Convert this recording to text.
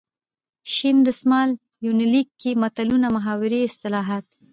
شین دسمال یونلیک کې متلونه ،محاورې، اصطلاحات .